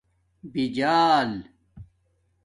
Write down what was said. بجال